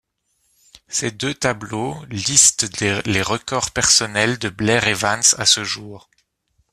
Ces deux tableaux listent les records personnels de Blair Evans à ce jour.